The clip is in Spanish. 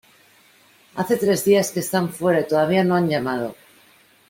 Hace tres días que están fuera y todavía no han llamado.